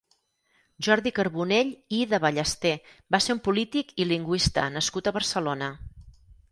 Jordi Carbonell i de Ballester va ser un polític i lingüista nascut a Barcelona.